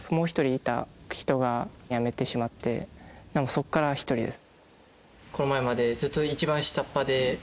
そっから１人です。